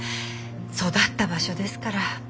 育った場所ですから。